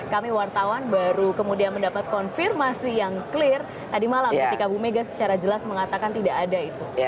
kami wartawan baru kemudian mendapat konfirmasi yang clear tadi malam ketika bu mega secara jelas mengatakan tidak ada itu